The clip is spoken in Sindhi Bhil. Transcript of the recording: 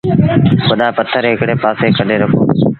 وڏآ پٿر هڪڙي پآسي ڪڍي رکو ۔